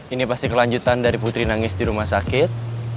ini pasti kelanjutan dari putri nangis di rumah sakit